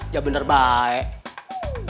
ya bener baik